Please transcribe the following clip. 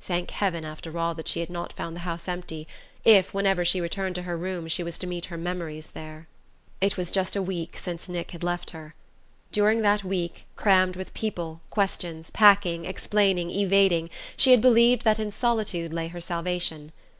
Thank heaven, after all, that she had not found the house empty, if, whenever she returned to her room, she was to meet her memories there! It was just a week since Nick had left her. During that week, crammed with people, questions, packing, explaining, evading, she had believed that in solitude lay her salvation.